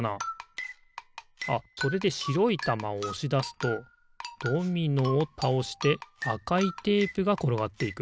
あっそれでしろいたまをおしだすとドミノをたおしてあかいテープがころがっていく。